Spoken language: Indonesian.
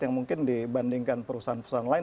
yang mungkin dibandingkan perusahaan perusahaan lain